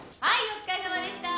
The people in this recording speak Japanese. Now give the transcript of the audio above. お疲れさまでした。